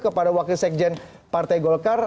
kepada wakil sekjen partai golkar